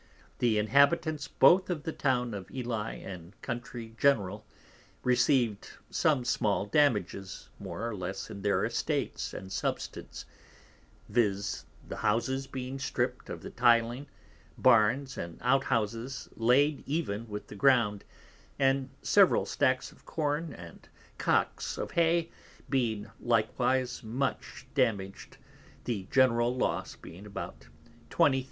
The Inhabitants both of the Town of Ely and Country general, receiv'd some small damages more or less in their Estates and Substance, viz. The Houses being stript of the Tiling, Barns and Out houses laid even with the Ground, and several Stacks of Corn and Cocks of Hay being likewise much damaged, the general loss being about 20000 _l.